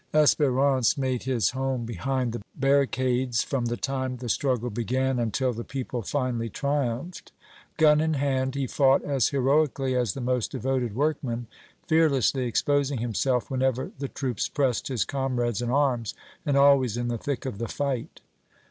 Espérance made his home behind the barricades, from the time the struggle began until the people finally triumphed; gun in hand, he fought as heroically as the most devoted workman, fearlessly exposing himself whenever the troops pressed his comrades in arms and always in the thick of the fight.